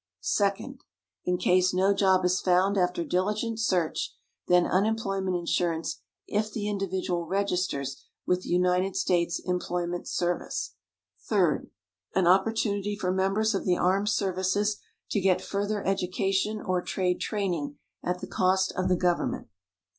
Second, in case no job is found after diligent search, then unemployment insurance if the individual registers with the United States Employment Service. Third, an opportunity for members of the armed services to get further education or trade training at the cost of the government.